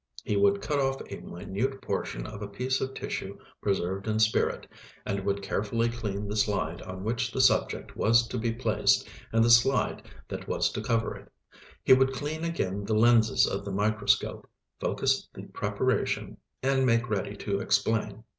He would cut off a minute portion of a piece of tissue preserved in spirit, and would carefully clean the slide on which the subject was to be placed and the slide that was to cover it; he would clean again the lenses of the microscope, focus the preparation, and make ready to explain.